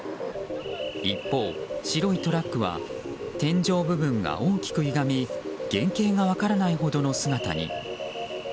一方、白いトラックは天井部分が大きくゆがみ原形が分からないほどの姿に。